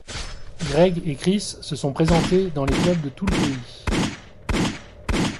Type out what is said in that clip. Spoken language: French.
Greg et Chriss se sont présentés dans les clubs de tout le pays.